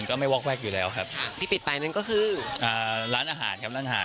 โควิดตรงเลยจ๊ะ